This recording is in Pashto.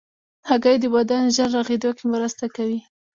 هګۍ د بدن ژر رغېدو کې مرسته کوي.